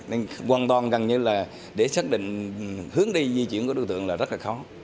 nên hoàn toàn gần như là để xác định hướng đi di chuyển của đối tượng là rất là khó